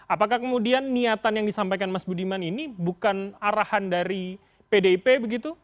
apakah kemudian niatan yang disampaikan mas budiman ini bukan arahan dari pdip begitu